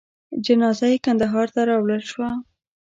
جنازه یې کندهار ته راوړل شوه.